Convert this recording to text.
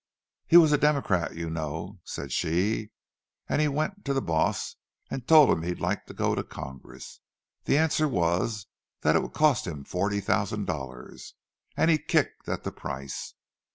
"He was a Democrat, you know," said she, "and he went to the boss and told him he'd like to go to Congress. The answer was that it would cost him forty thousand dollars, and he kicked at the price.